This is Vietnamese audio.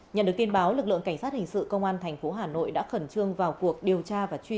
nhận được tin báo lực lượng cảnh sát hình sự công an tp hà nội đã khẩn trương vào cuộc điều tra và truy bắt